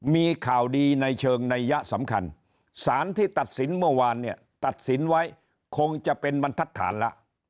มีข่าวดีในเชิงนัยยะสำคัญสารที่ตัดสินเมื่อวานเนี่ยตัดสินไว้คงจะเป็นบรรทัศน์ละ